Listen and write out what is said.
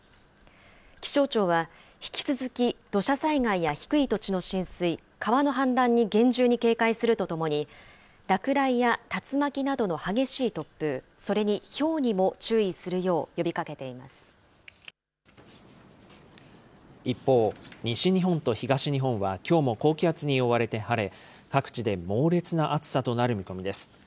気象庁は、引き続き土砂災害や低い土地の浸水、川の氾濫に厳重に警戒するとともに、落雷や竜巻などの激しい突風、それにひょうにも注意する一方、西日本と東日本はきょうも高気圧に覆われて晴れ、各地で猛烈な暑さとなる見込みです。